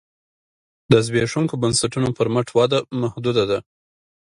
د زبېښونکو بنسټونو پر مټ وده محدوده ده